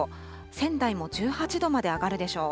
仙台も１８度まで上がるでしょう。